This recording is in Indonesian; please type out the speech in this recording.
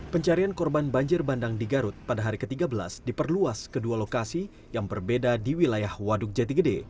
pencarian korban banjir bandang di garut pada hari ke tiga belas diperluas kedua lokasi yang berbeda di wilayah waduk jati gede